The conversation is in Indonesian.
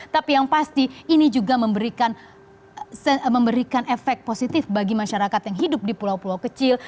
tapi yang pasti ini juga memberikan efek positif bagi masyarakat yang hidup di pulau pulau kecil